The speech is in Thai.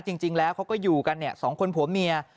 จริงแล้วเขาก็อยู่กัน๒คนผัวเมีย